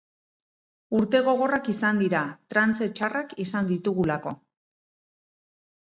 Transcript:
Urte gogorrak izan dira, trantze txarrak izan ditugulako.